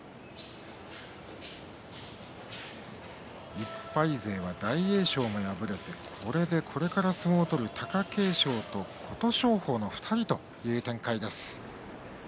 １敗勢は大栄翔が敗れて、これでこれから相撲を取る貴景勝と琴勝峰の２人という展開です。